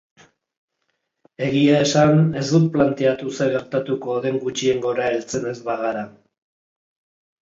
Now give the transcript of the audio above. Egia esan, ez dut planteatu zer gertatuko den gutxiengora heltzen ez bagara.